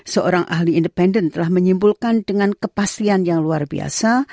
seorang ahli independen telah menyimpulkan dengan kepastian yang luar biasa